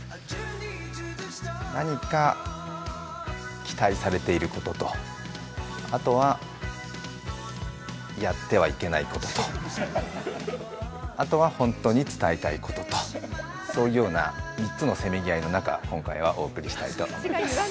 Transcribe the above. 何か期待されていることとあとは、やってはいけないこととあとは、本当に伝えたいことと、そういうような３つのせめぎ合いの中今回はお送りしたいと思います。